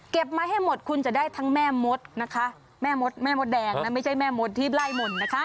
มาให้หมดคุณจะได้ทั้งแม่มดนะคะแม่มดแม่มดแดงนะไม่ใช่แม่มดที่ไล่มนต์นะคะ